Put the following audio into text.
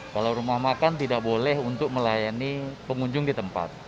kalau rumah makan tidak boleh untuk melayani pengunjung di tempat